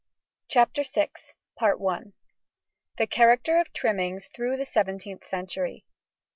] CHAPTER VI THE CHARACTER OF TRIMMINGS THROUGH THE SEVENTEENTH CENTURY.